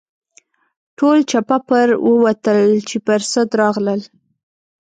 ټول چپه پر ووتل چې پر سد راغلل.